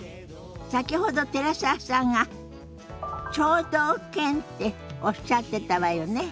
先ほど寺澤さんが聴導犬っておっしゃってたわよね。